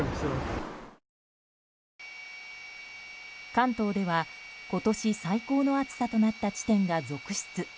関東では今年最高の暑さとなった地点が続出。